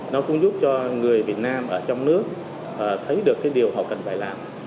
nó cũng giúp cho người việt nam ở trong nước thấy được cái điều họ cần phải làm